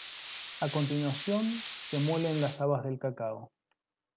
A continuación, se muelen las habas del cacao.